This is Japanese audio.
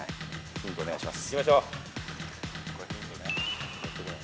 ヒントお願いします。